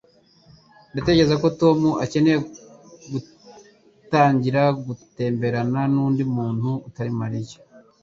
Ndatekereza ko Tom akeneye gutangira gutemberana nundi muntu utari Mariya.